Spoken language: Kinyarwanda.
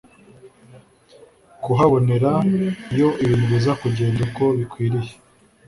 kuhabonera iyo ibintu biza kugenda uko bikwiriye